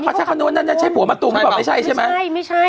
อ๋อพระชาติคำนึงว่านั่นใช่ผัวมะตุมหรอไม่ใช่ใช่ไหมไม่ใช่